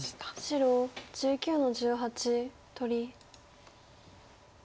白１９の十八取り。